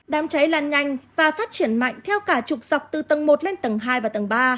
đám cháy lan nhanh và phát triển mạnh theo cả chục dọc từ tầng một lên tầng hai và tầng ba